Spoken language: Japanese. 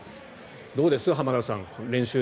どうです、浜田さん